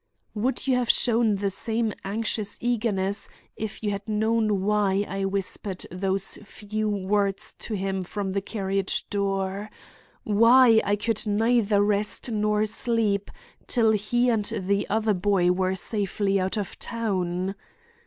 Would you have shown the same anxious eagerness if you had known why I whispered those few words to him from the carriage door? Why I could neither rest nor sleep till he and the other boy were safely out of town?